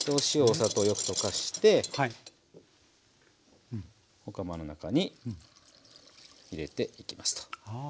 お砂糖をよく溶かしてお釜の中に入れていきますと。